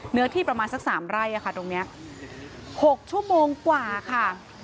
เนื้อที่ประมาณสัก๓ไร่ตรงนี้๖ชั่วโมงกว่าค่ะ